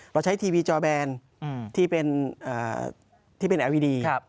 เราใช้ทีวีจอแบนอืมที่เป็นเอ่อที่เป็นแอลอีดีครับ